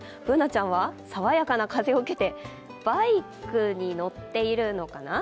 Ｂｏｏｎａちゃんは、さわやかな風を受けて、バイクに乗っているのかな。